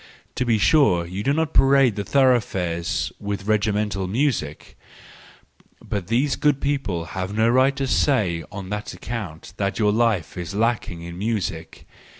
To be sure you do not parade the thoroughfares with regimental music,—but these good people have no right to say on that account that your life is lacking in music.